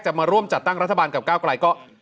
มาร่วมจัดตั้งรัฐบาลกับก้าวไกลก็